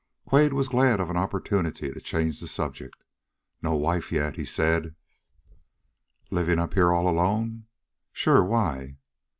Quade was glad of an opportunity to change the subject. "No wife yet!" he said. "Living up here all alone?" "Sure! Why?"